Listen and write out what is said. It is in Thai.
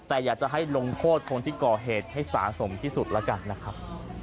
แต่อยากจะให้ลงโทษคนที่ก่อเหตุให้สาสมที่สุดแล้วกันนะครับ